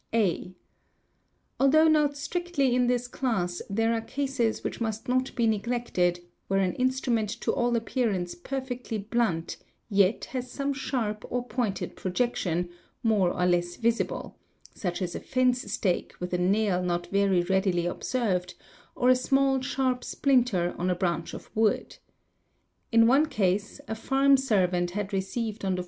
(a) Although not strictly in this class there are cases which must | not be neglected, where an instrument to all appearance perfectly blunt yet has some sharp or pointed projection, more or less visible; such as a fence stake with a nail not very readily observed, or a small sharp splinter ; on a branch of wood. In one case, a farm servant had received on the.